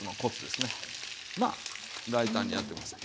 まあ大胆にやって下さい。